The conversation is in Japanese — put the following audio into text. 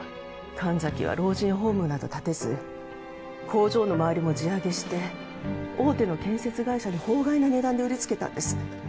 神崎は老人ホームなど建てず工場の周りも地上げして大手の建設会社に法外な値段で売りつけたんです。